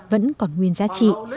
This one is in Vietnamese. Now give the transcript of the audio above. vẫn còn nguyên giá trị